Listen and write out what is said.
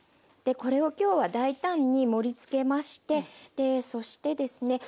これを今日は大胆に盛りつけましてそしてですね